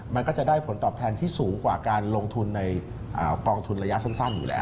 มันก็จะได้ผลตอบแทนที่สูงกว่าการลงทุนในกองทุนระยะสั้นอยู่แล้ว